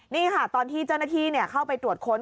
นี่ค่ะตอนที่เจ้าหน้าที่เข้าไปตรวจค้น